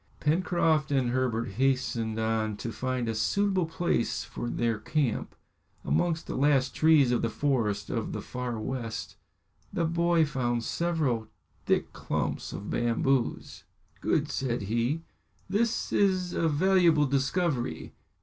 Pencroft and Herbert hastened on to find a suitable place for their camp. Amongst the last trees of the forest of the Far West, the boy found several thick clumps of bamboos. "Good," said he; "this is a valuable discovery."